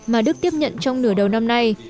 mà đức tiếp nhận trong nửa đợt